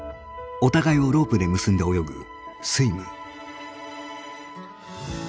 お互いをロープで結んで泳ぐ「スイム」。